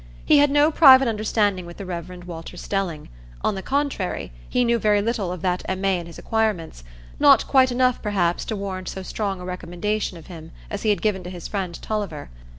He had no private understanding with the Rev. Walter Stelling; on the contrary, he knew very little of that M.A. and his acquirements,—not quite enough, perhaps, to warrant so strong a recommendation of him as he had given to his friend Tulliver.